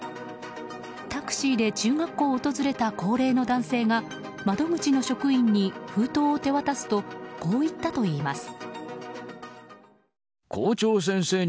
タクシーで中学校を訪れた高齢の男性が窓口の職員に封筒を手渡すとこう言ったといいます。